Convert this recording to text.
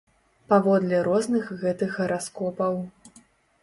Паводле розных гэтых гараскопаў.